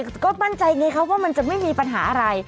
ก็มั่นใจไงคะว่ามันจะไม่มีปัญหาอะไร